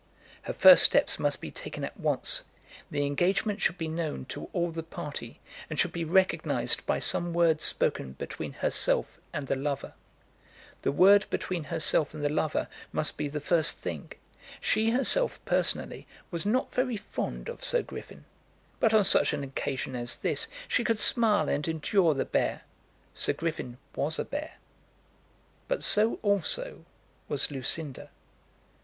Her first steps must be taken at once. The engagement should be made known to all the party, and should be recognised by some word spoken between herself and the lover. The word between herself and the lover must be the first thing. She herself, personally, was not very fond of Sir Griffin; but on such an occasion as this she could smile and endure the bear. Sir Griffin was a bear, but so also was Lucinda.